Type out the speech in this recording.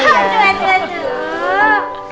aduh aduh aduh